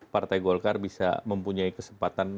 partai golkar bisa mempunyai kesempatan